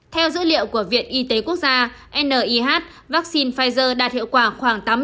theo dữ liệu của viện y tế quốc gia nih vaccine pfizer đạt hiệu quả khoảng tám mươi